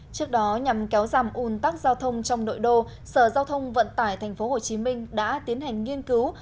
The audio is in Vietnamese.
trước đó nhằm kéo giảm un tắc giao thông trong nội đô sở giao thông vận tải tp hcm đã tiến hành nghiên cứu